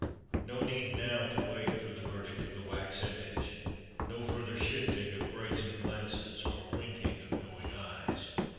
No need now to wait for the verdict of the wax image; no further shifting of brazen glances, or winking of knowing eyes.